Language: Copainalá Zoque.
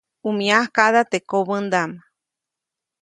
ʼU myakaʼda teʼ kobäʼndaʼm.